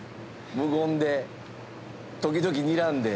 無言で時々にらんで。